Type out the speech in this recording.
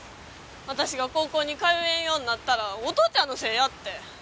私が高校に通えんようになったらお父ちゃんのせいやって。